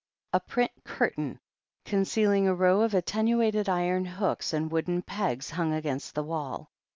A print curtain, concealing a row of attenuated iron hooks and wooden pegs, hung against the wall.